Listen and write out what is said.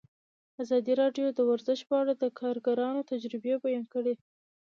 ازادي راډیو د ورزش په اړه د کارګرانو تجربې بیان کړي.